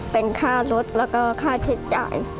เป็นค่ารถแล้วก็ค่าใช้จ่าย